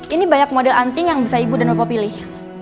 ini banyak model anting yang bisa ibu dan bapak pilih